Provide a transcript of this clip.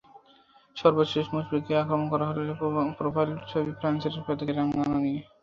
সর্বশেষ মুশফিককে আক্রমণ করা হলো প্রোফাইল ছবি ফ্রান্সের পতাকায় রাঙানো নিয়ে।